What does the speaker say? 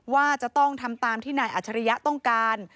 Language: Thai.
ว่าจะต้องทำตามที่นายอัจฉริยะต้องการ